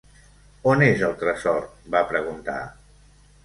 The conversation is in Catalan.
"On és el tresor", va preguntar.